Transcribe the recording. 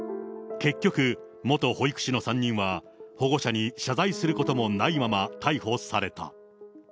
結局、元保育士の３人は保護者に謝罪することもないまま逮捕された。